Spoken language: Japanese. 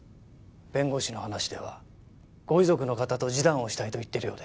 弁護士の話ではご遺族の方と示談をしたいと言っているようです。